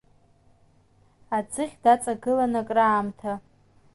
Аӡыхь даҵагылан акраамҭа.